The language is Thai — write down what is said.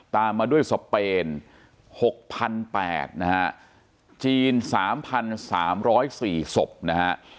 ตามมาด้วยสเปนหกพันแปดนะฮะจีนสามพันสามร้อยสี่ศพนะฮะ